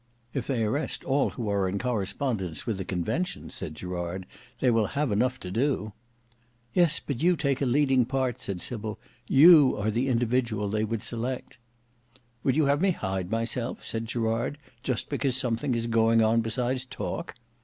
"If they arrest all who are in correspondence with the Convention," said Gerard, "they will have enough to do." "Yes; but you take a leading part," said Sybil; "you are the individual they would select." "Would you have me hide myself?" said Gerard, "just because something is going on besides talk."